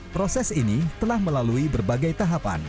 proses ini telah melalui berbagai tahapan